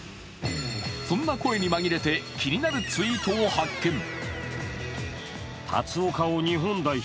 そんな声に紛れて気になるツイートを発見。